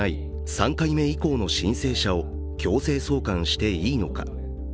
３回目以降の申請者を強制送還していいのか。